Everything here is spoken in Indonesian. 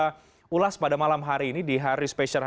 itukapa pelaksana malam hari ini di hari special bueno